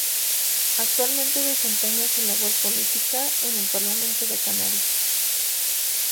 Actualmente desempeña su labor política en el Parlamento de Canarias.